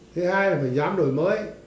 thứ hai là phải dám đổi mới